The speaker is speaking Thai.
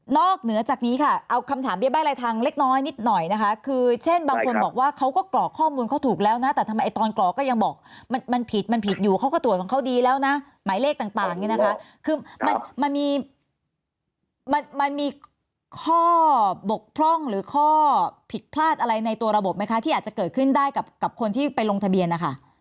เหนือจากนี้ค่ะเอาคำถามเบี้ยใบ้รายทางเล็กน้อยนิดหน่อยนะคะคือเช่นบางคนบอกว่าเขาก็กรอกข้อมูลเขาถูกแล้วนะแต่ทำไมตอนกรอกก็ยังบอกมันผิดมันผิดอยู่เขาก็ตรวจของเขาดีแล้วนะหมายเลขต่างนี่นะคะคือมันมันมีมันมีข้อบกพร่องหรือข้อผิดพลาดอะไรในตัวระบบไหมคะที่อาจจะเกิดขึ้นได้กับคนที่ไปลงทะเบียนนะคะ